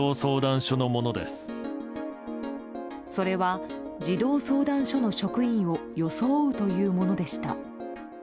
それは児童相談所の職員を装うというものでした。